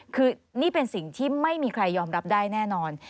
คือนี่เป็นสิ่งที่ไม่มีใครยอมรับได้แน่นอน